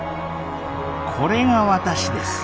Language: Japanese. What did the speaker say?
これが私です！